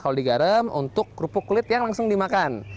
kalau digarem untuk kerupuk kulit yang langsung dimakan